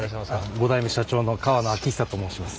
５代目社長の河野晃久と申します。